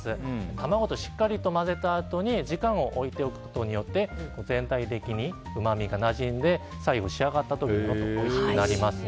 卵としっかりと混ぜたあとに時間を置いておくことによって全体的にうまみがなじんで最後、仕上がった時においしくなります。